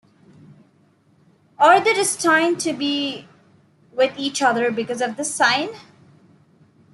Are they destined to be with each other because of this sign?